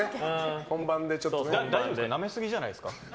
だって、なめすぎじゃないですか。